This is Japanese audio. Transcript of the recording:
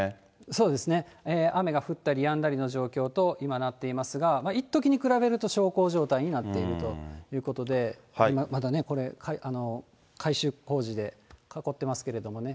そうですね、雨が降ったりやんだりの状況と今、なっていますが、一時に比べると、小康状態になっているということで、まだ改修工事で囲ってますけれどもね。